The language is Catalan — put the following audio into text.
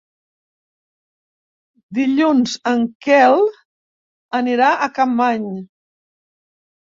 Dilluns en Quel anirà a Capmany.